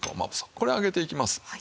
これ揚げていきます。